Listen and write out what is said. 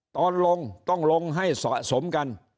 ตอนลงต้องลงให้สะสมกัน